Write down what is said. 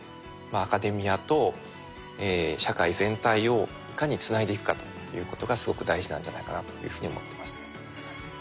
アカデミアと社会全体をいかにつないでいくかということがすごく大事なんじゃないかなというふうに思っていますね。